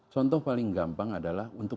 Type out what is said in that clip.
contoh paling gampang adalah untuk